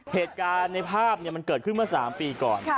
เหตุการณ์ในภาพมันเกิดขึ้นเมื่อ๓ปีก่อน